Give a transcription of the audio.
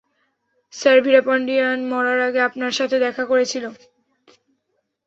Sir, Veerapandian মরার আগে আপনার সাথে দেখা করেছিল।